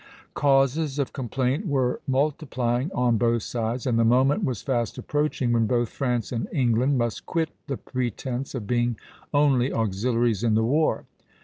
Causes of complaint were multiplying on both sides, and the moment was fast approaching when both France and England must quit the pretence of being only auxiliaries in the war.